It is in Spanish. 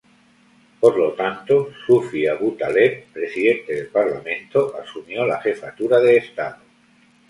Por lo tanto, Sufi Abu Taleb, Presidente del Parlamento, asumió la jefatura de estado.